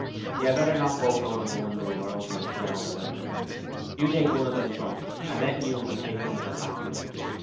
You'd better not both go in one room or 'Unter will growl about it. You take one of the front and let Newman take one of the back rooms.